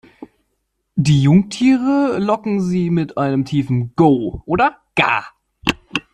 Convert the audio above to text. Die Jungtiere locken sie mit einem tiefen "go" oder "ga".